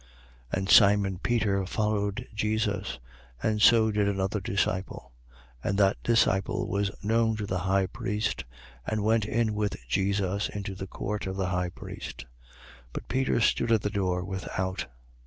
18:15. And Simon Peter followed Jesus: and so did another disciple. And that disciple was known to the high priest and went in with Jesus into the court of the high priest. 18:16. But Peter stood at the door without.